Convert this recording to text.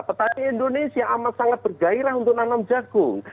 petani indonesia amat sangat bergaya untuk menanam jagung